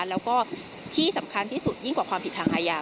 แล้วก็ที่สำคัญที่สุดยิ่งกว่าความผิดทางอาญา